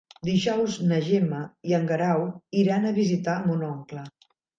Dijous na Gemma i en Guerau iran a visitar mon oncle.